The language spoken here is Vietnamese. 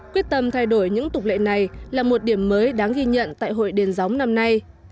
quyết tâm thay đổi những tục lệ này là một điểm mới đáng ghi nhận tại hội đền gióng năm nay